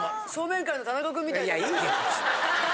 いやいいよ別に。